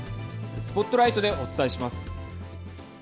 ＳＰＯＴＬＩＧＨＴでお伝えします。